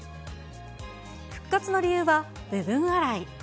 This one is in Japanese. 復活の理由は、部分洗い。